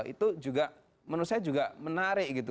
itu juga menurut saya juga menarik gitu